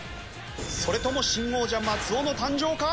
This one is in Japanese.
それとも新王者松尾の誕生か！？